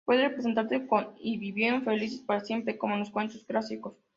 Puede representarse con "...y vivieron felices para siempre" como en los cuentos clásicos.